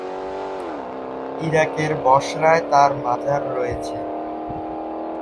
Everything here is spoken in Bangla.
ইরাকের বসরায় তার মাজার রয়েছে।